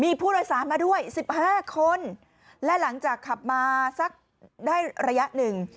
มีผู้โดยสารมาด้วย๑๕คนและหลังจากขับมาสักได้ระยะหนึ่ง